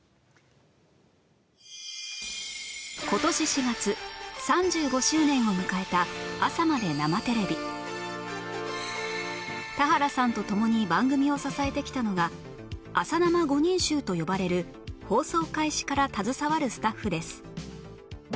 今年４月３５周年を迎えた『朝まで生テレビ！』田原さんと共に番組を支えてきたのが朝生五人衆と呼ばれる放送開始から携わるスタッフです